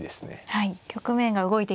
はい。